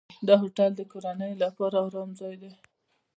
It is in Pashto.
دا هوټل د کورنیو لپاره آرام ځای دی.